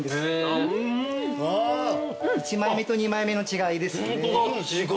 １枚目と２枚目の違いですね。